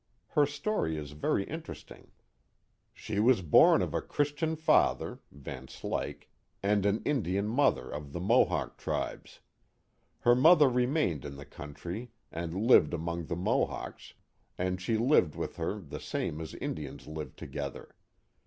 Her story is very interesting. She was born of a Christian father (Van Slyke) and an Indian mother of the Mohawk tribes. Her mother remained in the country and lived among the Mohawks, and she lived with her the same as Indians live together.